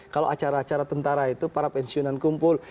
kalau acara acara tentara itu para pensiunan kumpul